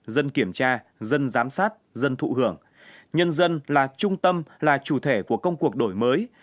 dân kiểm tra dân giám sát dân thụ hưởng nhân dân là trung tâm là chủ thể của công cuộc đổi mới